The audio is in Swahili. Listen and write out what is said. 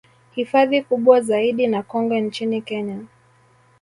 Hifadhi kubwa zaidi na kongwe nchini Kenya